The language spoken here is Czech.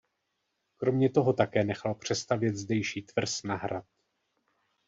Kromě toho také nechal přestavět zdejší tvrz na hrad.